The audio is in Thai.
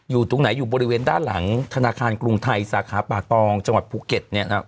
อยู่ตรงไหนอยู่บริเวณด้านหลังธนาคารกรุงไทยสาขาป่าตองจังหวัดภูเก็ตเนี่ยนะครับ